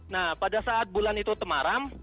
nah pada saat bulan itu temaram